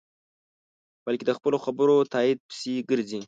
بلکې د خپلو خبرو تایید پسې گرځي.